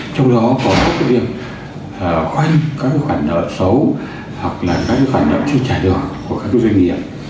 trong đó có cái việc khoanh các cái khoản đợt xấu hoặc là các cái khoản đợt chưa trả được của các cái doanh nghiệp